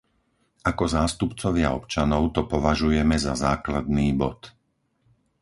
Ako zástupcovia občanov to považujeme za základný bod.